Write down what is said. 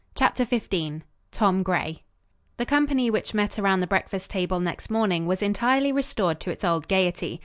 CHAPTER XV TOM GRAY The company which met around the breakfast table, next morning, was entirely restored to its old gayety.